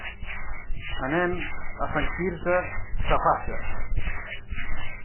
Anem a Sant Quirze Safaja.